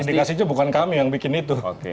indikasinya bukan kami yang bikin itu